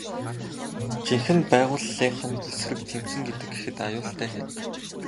Жинхэнэ байгууллынх нь эсрэг тэмцэнэ гэхэд аюултай хэрэг.